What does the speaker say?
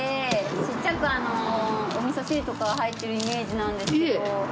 ちっちゃくお味噌汁とかに入ってるイメージなんですけど。